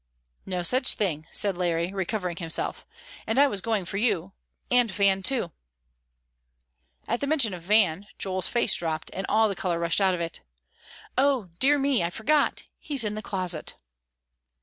"No such thing," said Larry, recovering himself, "and I was going for you; and Van, too." At mention of Van, Joel's face dropped, and all the color rushed out of it. "O dear me, I forgot; he's in the closet."